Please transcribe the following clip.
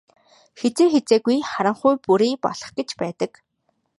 Хэзээ хэзээгүй харанхуй бүрий болох гэж байдаг.